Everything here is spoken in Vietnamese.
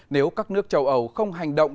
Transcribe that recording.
nếu các nước châu âu không có thỏa thuận hạt nhân